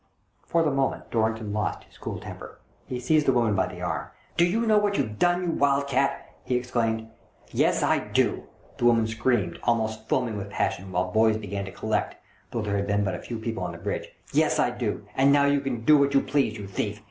For the moment Dorrington lost his cool temper. He seized the woman by the arm. " Do you know what you've done, you wild cat ?" he exclaimed. "Yes, I do!" the woman screamed, almost foaming with passion, while boys began to collect, though there had been but few people on the bridge. " Yes, I do ! And now you can do what you please, you thief